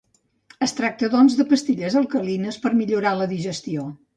Es tracta doncs de pastilles alcalines per a millorar la digestió.